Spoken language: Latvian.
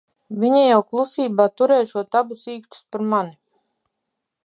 Viņa jau klusībā turēšot abus īkšķus par mani.